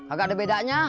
agak ada bedanya